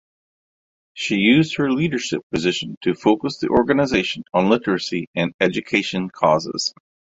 She used her leadership position to focus the organization on literacy and education causes.